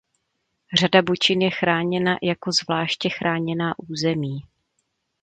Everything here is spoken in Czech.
Řada bučin je chráněna jako zvláště chráněná území.